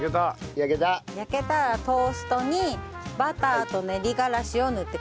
焼けたらトーストにバターと練りがらしを塗ってください。